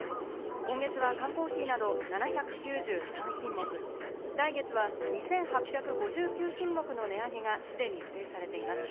今月は缶コーヒーなど７９３品目、来月は２８５９品目の値上げがすでに予定されています。